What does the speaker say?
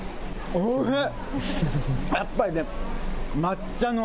おいしい。